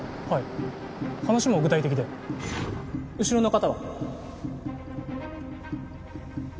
はい話も具体的で後ろの方は？